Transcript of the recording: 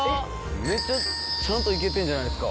めっちゃちゃんと行けてんじゃないですか。